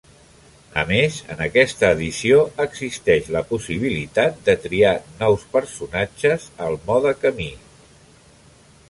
A més, en aquesta edició existeix la possibilitat de triar nous personatges al mode camí.